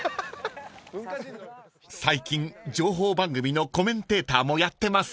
［最近情報番組のコメンテーターもやってますもんね］